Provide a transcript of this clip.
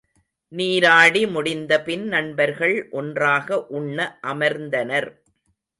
நீராடி முடிந்தபின் நண்பர்கள் ஒன்றாக உண்ண அமர்ந்தனர்.